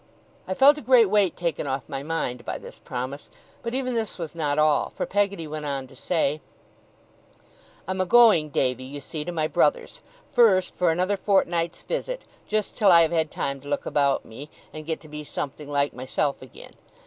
I felt a great weight taken off my mind by this promise: but even this was not all, for Peggotty went on to say: 'I'm a going, Davy, you see, to my brother's, first, for another fortnight's visit just till I have had time to look about me, and get to be something like myself again.